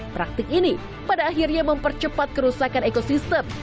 praktik ini pada akhirnya mempercepat kerusakan ekosistem